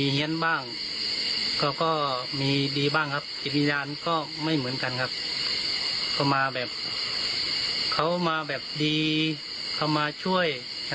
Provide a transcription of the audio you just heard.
เห็นเหมือนลุงเลย